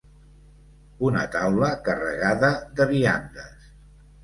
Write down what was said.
Una taula carregada de viandes.